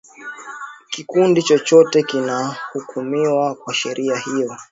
kikundi chochote kinahukumiwa kwa sheria hiyo